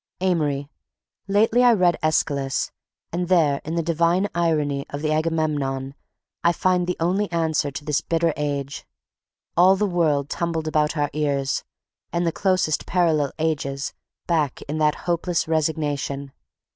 Amory, lately I reread Aeschylus and there in the divine irony of the "Agamemnon" I find the only answer to this bitter age—all the world tumbled about our ears, and the closest parallel ages back in that hopeless resignation.